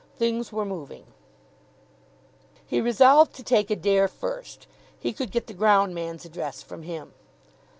Things were moving. He resolved to take Adair first. He could get the ground man's address from him.